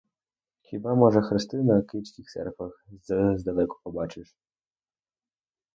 Хіба, може, хрести на київських церквах здалеку побачиш.